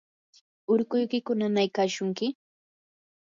¿urkuykiku nanaykashunki?